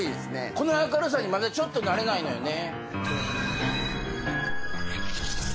この明るさにまだちょっと慣れないのよね。